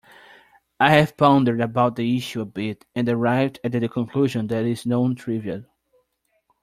I have pondered about the issue a bit and arrived at the conclusion that it is non-trivial.